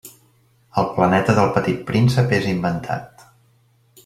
El planeta del Petit Príncep és inventat.